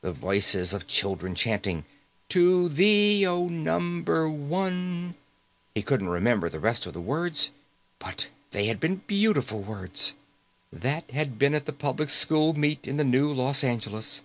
The voices of children chanting, "To thee, O Number One " He couldn't remember the rest of the words, but they had been beautiful words. That had been at the public school meet in the New Los Angeles.